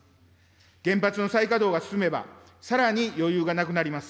原発の再稼働が進めば、さらに余裕がなくなります。